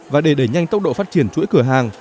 và để đẩy nhanh tốc độ phát triển chuỗi cửa hàng